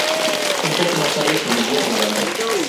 Un poco más tarde se uniría a la banda.